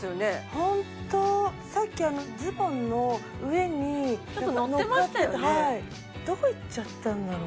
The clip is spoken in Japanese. ホントさっきズボンの上にのっかってたどこ行っちゃったんだろう？